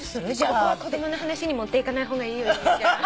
ここは子供の話に持っていかない方がいいよ由美ちゃん。